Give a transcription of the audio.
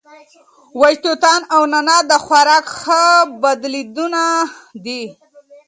وچ توتان او نعناع د خوراک ښه بدیلونه دي.